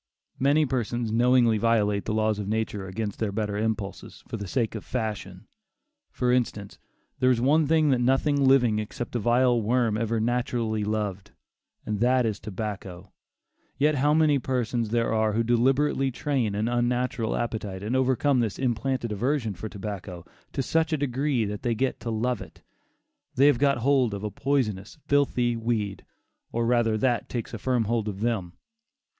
Many persons knowingly violate the laws of nature against their better impulses, for the sake of fashion. For instance, there is one thing that nothing living except a vile worm ever naturally loved, and that is tobacco; yet how many persons there are who deliberately train an unnatural appetite, and overcome this implanted aversion for tobacco, to such a degree that they get to love it. They have got hold of a poisonous, filthy weed, or rather that takes a firm hold of them.